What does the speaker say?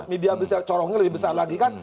media bisa corongnya lebih besar lagi kan